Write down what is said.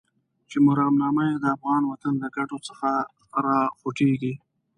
چې مرامنامه يې د افغان وطن له ګټو څخه راوخوټېږي.